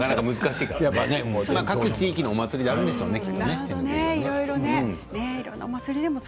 各地域のお祭りにあるんでしょうね。